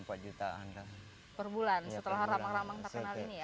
per bulan setelah ramang ramang terkenal ini ya